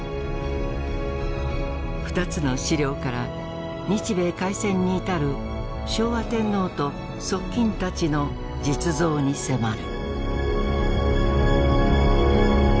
２つの資料から日米開戦に至る昭和天皇と側近たちの実像に迫る。